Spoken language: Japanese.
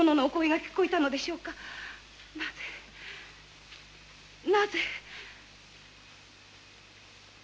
なぜなぜ。